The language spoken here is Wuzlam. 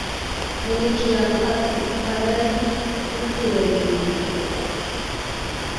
Ɓəlik yaŋ atu anay məpərge ve.